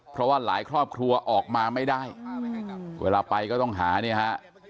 เพราะว่าหลายครอบครัวออกมาไม่ได้เวลาไปก็ต้องหาเนี่ยฮะ